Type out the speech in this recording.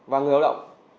và người lao động